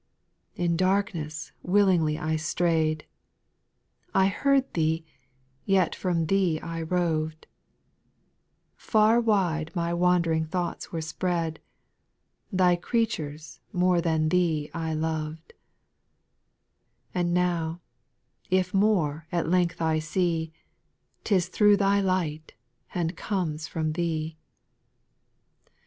) 3Y In darkness willingly I strayed ; I heard Thee, yet from Thee I roved ; Par wide my wandering thoughts were spread ; Thy creatures more than Thee I loved : And now, if more at length I see, 'T is through Thy light, and comes from Thee, 4.